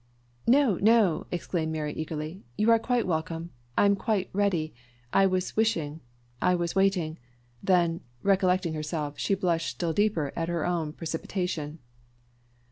"No, no!" exclaimed Mary eagerly; "you are quite welcome. I am quite ready. I was wishing I was waiting." Then, recollecting herself, she blushed still deeper at her own precipitation.